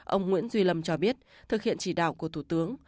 ông nguyễn duy lâm cho biết thực hiện chỉ đạo của thủ tướng